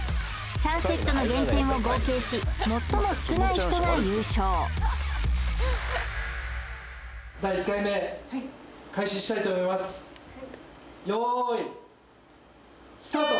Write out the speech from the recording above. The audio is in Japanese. ３セットの減点を合計し最も少ない人が優勝第１回目開始したいと思います用意スタート！